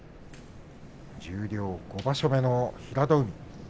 十両５場所目の平戸海。